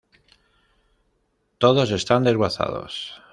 Todos están desguazados.